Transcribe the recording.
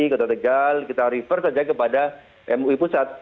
kota tegal kita refer saja kepada mui pusat